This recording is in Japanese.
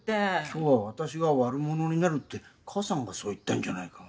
今日は私が悪者になるって母さんがそう言ったんじゃないか。